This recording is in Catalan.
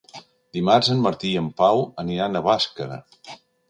Dimarts en Martí i en Pau aniran a Bàscara.